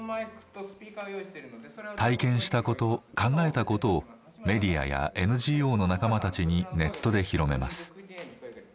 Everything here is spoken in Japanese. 体験したこと考えたことをメディアやＮＧＯの仲間たちにネットで広めます。